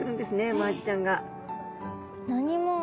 マアジちゃんが。